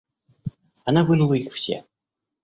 Она вынула их все.